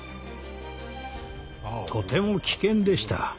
とても危険でした。